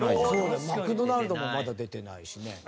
そうねマクドナルドもまだ出てないしね。